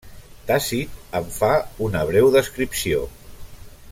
Tàcit en fa una breu descripció.